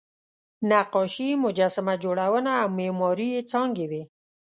نقاشي، مجسمه جوړونه او معماري یې څانګې وې.